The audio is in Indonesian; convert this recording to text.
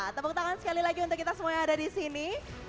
tepuk tangan sekali lagi untuk kita semua yang ada di sini